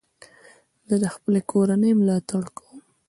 زه د خپلي کورنۍ ملاتړ کوم.